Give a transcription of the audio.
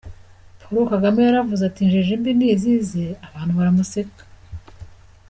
Paul Kagame yaravuze ati injiji mbi ni izize abantu baramuseka!